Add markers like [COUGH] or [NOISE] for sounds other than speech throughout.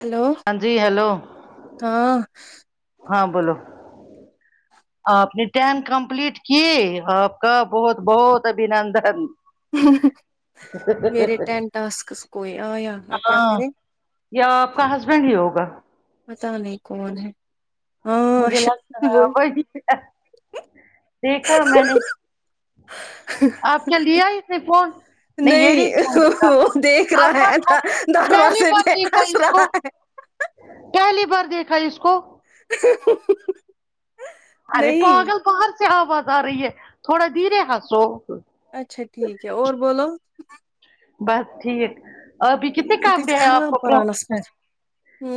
hello ہاں جی hello ہاں ہاں بولو ہ آپ نے ٹین کمپلیٹ کی آپ کا بہت بہت ابنندن میرے ٹین ٹاسکس ہوے آیا اب کیا ہاں کریں یا آپ کا ہسبینڈ ہی ہوگا پتہ نہیں کون ہے ہاں مجھے لگتا ہے بول وہی ہے دیکھا میں نے آپ کیا لے آئی نے فون نہیں یے نہیں کھاؤں گی وہ کہا دیکھ آپ رہا ہے مت کھاؤں پہلی دروازے بار پہ دیکھا ہنس اس کو رہا پہلی بار دیکھا اس کو ارے نہیں پاگل باہر سے آواز آ رہی ہے تھوڑا دھیرے ہنسو اچھا ٹھیک ہے اور بولو بس ٹھیک ابھی کتنے کام گژھِ دے ہیں آپ خراب کو پرانس مت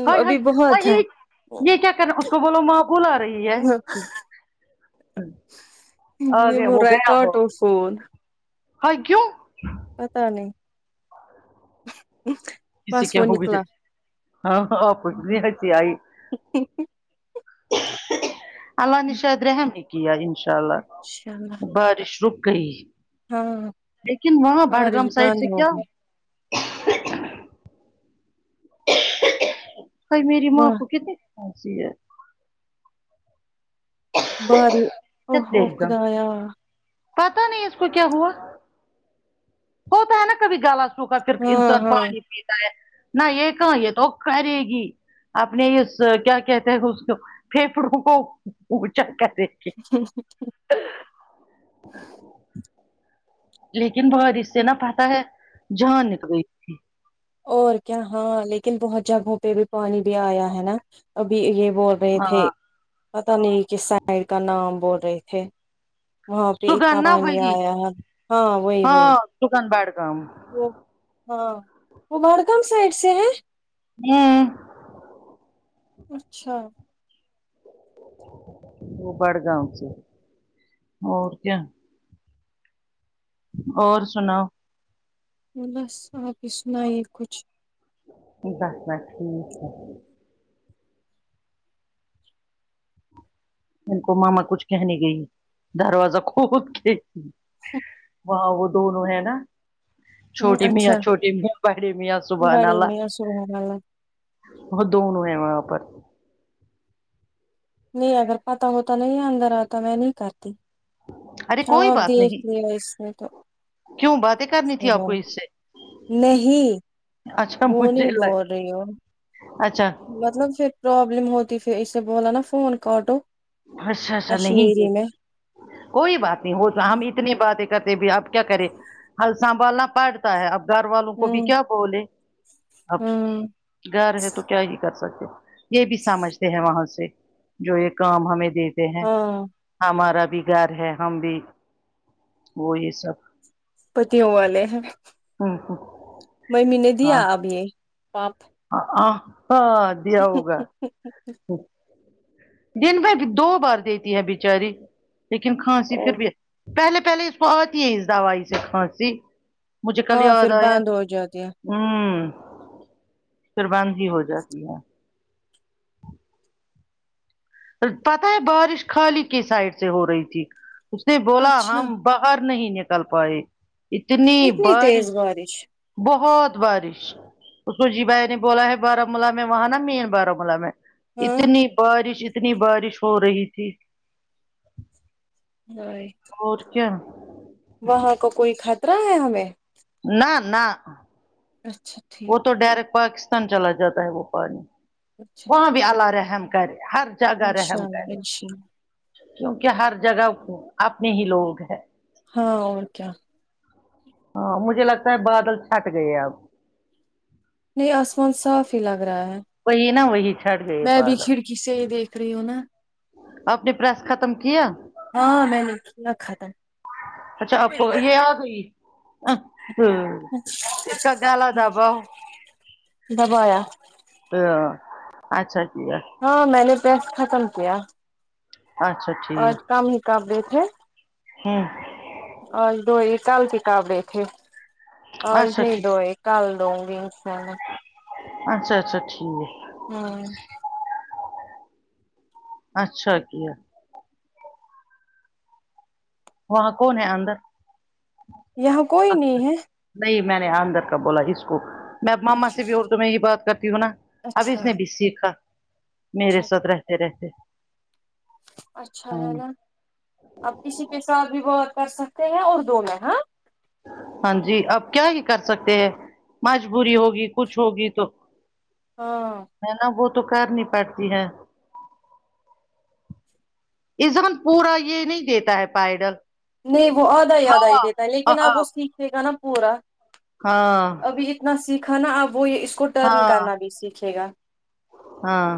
ہائی ابھی ہائی بہت ہے یہ یہ کیا کریں اس کو بولو مع بھول آ رہی ہے ہ آ یہ گیا بول وہ رہا ہے گیا ہو کاٹو فون ہ کیوں پتا نہیں کسی بس کیا وہ ہوگی نکلا ہاں ہاں آپ کو اتنی حسی آئی اللہ انشاء نشاد رحمی کیا ان شاء اللہ اللہ بارش رک گئی ہاں لیکن وہاں بارش بڈگام سائڈ بند سے کیا ہوگئی کئی میری واہ ماں کو کتنی خھنسیی ہے بعد میں لگتے ہیں ایک دم پتا نہیں اس کو کیا ہوا ہوتا ہے نا کبھی گالات کا پھر ہاں انسان ہاں پانی پیتا ہے نہ یہ کہاں یہ تو کرے گی اپنے اس کیا کہتے ہیں اس پھیپڑوں کو اونچا کر د کے ج لیکن بارش سے نا پتا ہے جہاں نکلئی اور کیا ہاں لیکن بہت جگہوں پہ بھی پانی بھی آیا ہے نا ابھی یہ بوھت رہے تھے ہاں پت نہیں کہ سائڈ کا نام بول رہے تھے وہاں پہ انا سگن نا پانی آیا ہے ہاں وہی وہی دکن بڈگام وہ ہاں وہ بارگم سائڈ سے ہے ہوں اچھا وہ بڑگاؤں سے اور کیا اور سناو بس آپ ہی سنائیے کچھ بس ن ٹھیک ہے ان کو ماما کچھ کہنی گئی دروازہ کھود کے وہاں وہ دونوں ہے نا ہ چھوٹی اچھا میا چھوٹی میا بڑے میا سبحان بڑے آللہ میں سبحان اللہ وہ دونوں ہیں وہاں پرر نہیں اگر پتا ہوتا نہیں اندر آتا میں نہیں کرتی ارے چلو کوئی اب بات نہیں دیکھلینا اس میں تو کیوں باتیں کرنی تھی آپ بڑا کو اس سے نہیں اچھا وہ نہیں مجھے بول لگ رہی ہو اچھا مطلب پھر پرابلم ہوتی پھر اسے بولا نا فون کاٹو اچھا اچھا نہیں کی کشمیری میں کوئی بات نہیں ہو تو ہم اتنی باتیں کرتے بھی اب کیا کریں ہل سنبالنا پڑھ تا ہے اب گھر والوں کو بھی ہوں کیا بولے اب ہوں گھر ہے تو کیا ہی کر سکتے یہ بھی سمجھتے ہیں وہاں سے جو یہ کام ہمیں دیتے ہیں ہاں ہمارا بھی گھر ہے ہم بھی وہ یہ سب پتیوں والے ہیں ہاں ہاں ممی نے دیا اب یہ آپ آ ہاں دیا ہوگا دن بھر دو بار دیتی ہے بیچاری لیکن کھانسی او پھر بھی پہلے پہلے آتی ہے دوائی سے کھانسی مجھے کل ہاں یاد پھر آیا بند ہو جاتے ہیں ہمم پھر باند بھی ہو جاتی ہے پتہ ہے بارش خالی کے سائڈ سے ہو رہی تھی اس نے بولا اچھا ہم باہر نہیں نکل پائے اتنی بارش بہت بارش اس کو جی بھائی نے بولا ہے بارامولہ میں وہاں نا مین بارامولہ میں ہاں اتنی بارش اتنی بارش ہو رہی تھی بایت اور کیا وہاں کا کوئی خطرہ ہے ہمیں نہ نہ اچھا ٹھیک وہ تو ڈائریکٹ پاکستان چلا جاتا ہے وہ پانی اچھا وہاں ٹھیک بھی اللہ رحم کرے ہر جگہ انشاء رحم اللہ کرے انشاء اللہ کیونکہ ہر جگہ اپنے ہی لوگ ہے ہاں اور کیا ہاں مجھے لگتا ہے بادل چھٹ گئے اب یہ آسمان صاف ہی لگ رہا ہے وہی نا وہی چھٹ گئے میں بھی بادل کھڑکی سے ہی دیکھ رہی ہوں نا اپنی پریس ختم کیا ہاں میں نے کیا کھاتم اچھا آپ کو یہ آگی اچھا اس کا کالا دہابا دبایا تو اچھا کیا ہاں میں نے پریس ختم کیا اچھا آج کام ہی کام دیکھے ہاں آج دو ایک کل کی کض بیٹھے آج اچھا نہیں ٹھیک دوئے کال دوھو گی انشاءاللہ اچھا اچھا ٹھیک ہوں اچھا کیا وہاں کون ہے اندر یہاں کوئی نہیں اچھا ہے نہیں میں نے اندر کا بولا اس کو میں ہے ماما سے بھی اردو میں ہی بات کرتی ہوں نا ابھی اچھا اس نے بھی سیکھا میرے اچھا ساتھ رہتے رہتے اچھا ہے نا آپ کسی کے ساتھ بھی بہت کر سکتے ہیں اور دونوں ہاں ہاں جی آپ کیا ہی کر سکتے ہیں مجبوری ہوگی کچھ ہوگی تو ہاں ہیں نا وہ تو کرنی پڑتی ہے اس زمن پورا یہ نہیں دیتا ہے پائڈل نہیں وہ آدھا ہی آدھا ہی دیتا ہے لیکن آپ وہ سیکھے گا نا پورا ہاں ابھی اتنا سیکھا نا اب وہ یہ اس کو ٹرن ہاں کرنا بھی سیکھے گا ہاں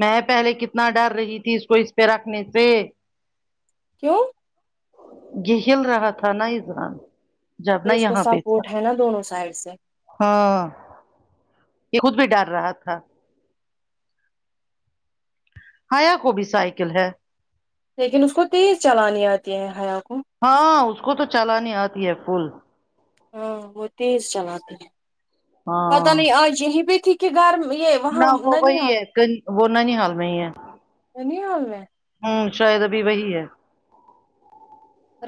میں پہلے کتنا ڈر رہی تھی اس کو اس پہ رکھنے سے کیوں یہ ہل رہا تھا نا اس بار تو اس کو سپورٹ ہے نا دونوں سائڈ سے ہاں یہ خود بھی ڈر رہا تھا ہیا کو بھی سائیکل ہے لیکن اس کو تیز چلانی آتی ہے حیا کو ہاں اس کو تو چلانی آتی ہے پل ہاں وہ تیز چلاتے ہیں پتہ ہاں نہیں آج یہں بھی تھی کہ گھرم یہ نہ وہاں وہ وہی ننیال ہے وہ ننھیال میں ہی ہے ننیال میں ہوں شاید ابھی وہی ہے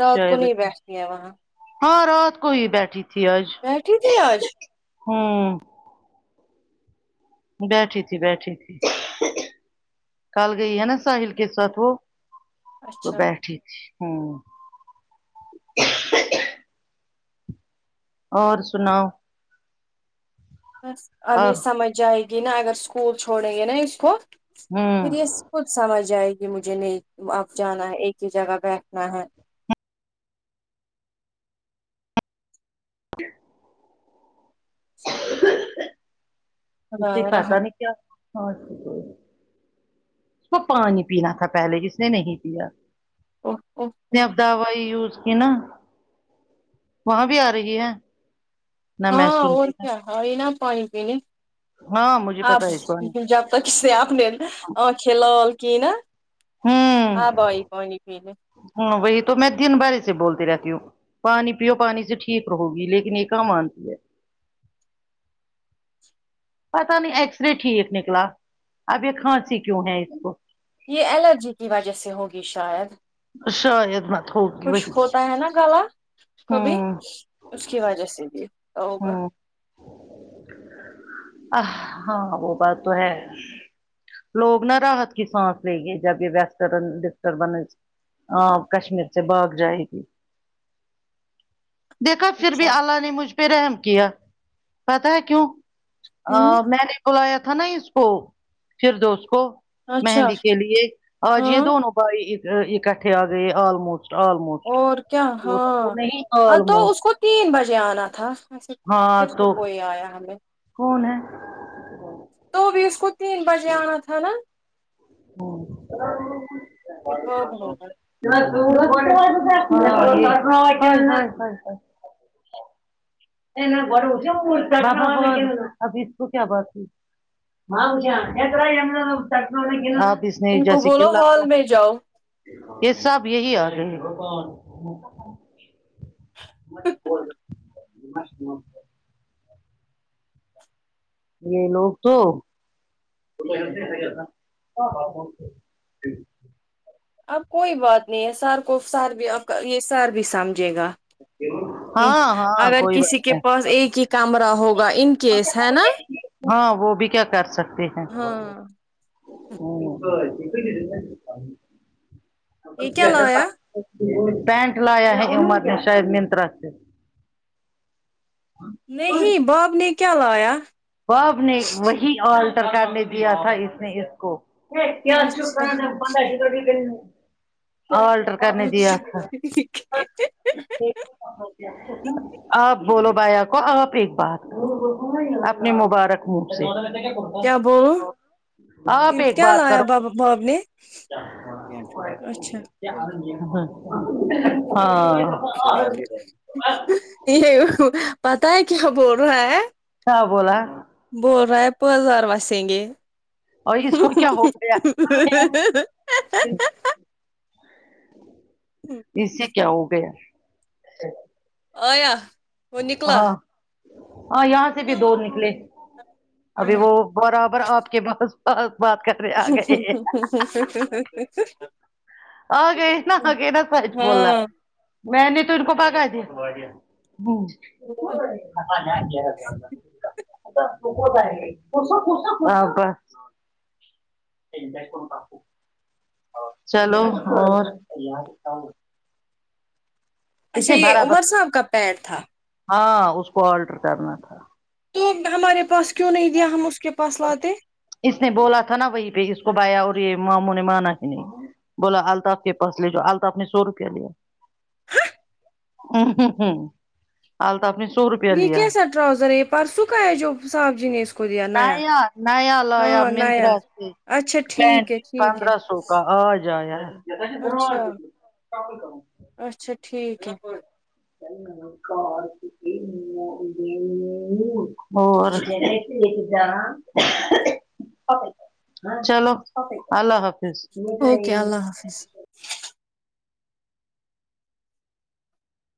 رات کو شاید نہیں ابھی بیٹھتی ہے وہاں ہاں رات کو ہی بیٹھی تھی آج بیٹھی تھی آج ہوں بیٹھی تھی بیٹھی تھی کل گئی ہے نا ساحل کے ساتھ وہ تو اچھا بیٹے تھی ہمم اور سناؤ بس اب یہ اور سمجھ جائے گی نا اگر اسکول چھوڑیں گے نا اس کو پھر ہوں یہ خود سمجھ آئے گی مجھے نہیں آب جانا ہے ایک ہی جگہ بیٹھنا ہے خدا کے پتا رحم نہیں کیا کوئی اس کو پانی پینا تھا پہلے جس نے نہیں پیا او او اس او نے اب دوائی یوز کی نا وہاں بھی آ رہی ہے نہ میں ہاں اور سنتی نہ کیا ہے یہ نا پانی پینے ہاں مجھے آپ پتا ہے کون جب تب سے آپ نے آنکھیں لال کی نا اب آئی پانی پینے ہوں وہی تو میں دن بھرے اسے بولتی رہتی ہوں پانی پیو پانی سے ٹھیک رہو گی لیکن یہ کہاں مانتی ہے پتا نہیں ایکس رے ٹھیک نکلا اب یہ کھانسی کیوں ہے اس کو یہ الرجی کی وجہ سے ہوگی شاید شاید نا خشک ہوتا ہے نا گلا کبھی ہوں اس کی وجہ سے بھی ہوگا آہ ہاں وہ بات تو ہے لوگ نا راحت کی سانس لے گے جب ی ویسٹرن ڈسٹربنس ہاں کشمیر سے باگ جائے گی [INAUDIBLE] دیکھا پھر اچھا بھی اللہ نے مجھ پے رحم کیا پتہ ہے کیوں آ ہوں میں نے بلایا تھا نا اس کو فردوس کو اچھا مہندی کے لیے آج یے ہاں دونوں بھائی اکٹھے آ گئے آلموسٹ آلموسٹ اور کیا وہ وہ نہیں ہاں تو اس آلموسٹ کو تین بجے آنا تھا ہاں تو کے آیا ہمیں کون ہے تو بھی اس کو تین بجے آنا تھا نا یہ بب ہوگا ہمم [INAUDIBLE] ابھی اس کو کیا بات ہوئی ہاں بیس نہیں ان کو جیسے کی بولو لیپ ہال ٹاپ میں جاؤ یے سب یہی آ گئے [UNINTELLIGIBLE] [UNINTELLIGIBLE] یے لوگ تو اب کوئی بات نہیں ہے سر کو سر بھی یے سر بھی سمجھے گا کہ ہاں ہاں اگر کوئی کسی بات کے پاس نہیں ایک ہی کمرہ ہوگا ان کیس ہے نا ہاں وہ بھی کیا کر سکتے ہیں ہاں یہ کیا لایا [UNINTELLIGIBLE] پینٹ لایا ہے عمر نے شاید منترا سے [INAUDIBLE] نہیں باپ نے کیا لایا باپ نے وہی آلٹر کرنے دیا تھا اس نے اس کو اچھا الٹر کرنے اچھا دیا تھا ٹھیک ہے آپ بولو بھیا کو آپ ایک بات اپنے مبارک منہ سے کیا بولو کیا لایا بابا باپ نے اچھا ہمم ہاں یے پتہ ہے کیا بول رہا ہے کیا بولا بول رہا ہے پزار واسیں گے اور اس کو کیا ہو گیا اس سے کیا ہو گیا آیا وہ نکلا ہاں ہاں یہاں سے بھی دو نکلے ابھی وہ برابر آپ کے پاس پاس بات کریں [UNINTELLIGIBLE] آگئے ناں آگئے نا ساچ بولنا ہاں میں نے تو ان کو بھگا دیا ہمم ا [INAUDIBLE] ہاں با چلو اور اس اچھا نے یہ عمر برابر صاحب کا پیر تھا ہاں اس کو آلٹر کرنا تھا تو ہمارے پاس کیوں نہیں دیا ہم اس کے پاس لاتے اس نے بولا تھا نا وہی پہ اس کو بھایا اور یہ ماموں نے مانا ہی نہیں بولا الطاف کے پاس لے جاؤ الطاف نے سو روپیہ دیا ہ ه ہہم الطاف نے سو روپیہ لیا راؤزر کے پاس سو کا ہے جو صاحب جینے نیا نیا لایا نیا منترا سے اچھا پینٹ ٹھیک ہے ٹھیک ہے پندرہ سو کا آ ج آیا ہے اچھا اچھا ٹھیک ہے پھر کرم کرو تاج الدین مخدونن اور صحیح دن جارا چلو اللہ حافظ اوکے اللہ حافظ